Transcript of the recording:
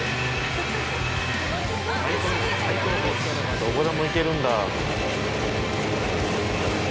どこでも行けるんだ。